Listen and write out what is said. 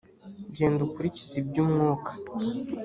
genda ukurikiza iby umwuka